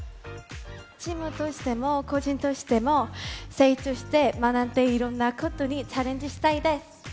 チームとしても、個人としても、成長して学んで、いろんなことにチャレンジしたいです。